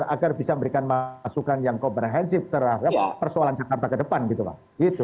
agar bisa memberikan masukan yang komprehensif terhadap persoalan jakarta ke depan gitu pak